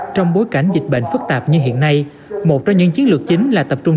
trong bối cảnh dịch bệnh phức tạp như hiện nay một trong những chiến lược chính là tập trung